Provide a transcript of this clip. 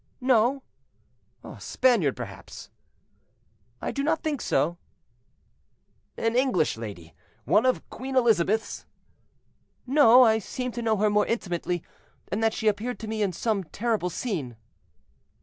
"No." "A Spaniard perhaps." "I do not think so." "An English lady, one of Queen Elizabeth's?" "No, I seem to know her more intimately, and that she appeared to me in some terrible scene."